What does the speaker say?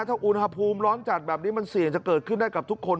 ถ้าอุณหภูมิร้อนจัดแบบนี้มันเสี่ยงจะเกิดขึ้นได้กับทุกคน